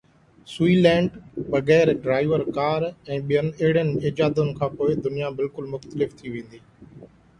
سوئي لينٽ، بغير driver car ۽ ٻين اهڙين ايجادن کانپوءِ دنيا بلڪل مختلف ٿي ويندي.